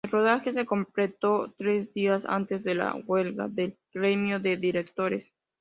El rodaje se completó tres días antes de la huelga del gremio de directores.